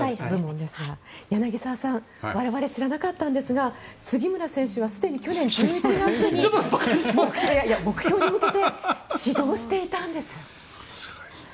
柳澤さん我々知らなかったんですが杉村選手はすでに去年１１月に目標に向けて始動していたんです。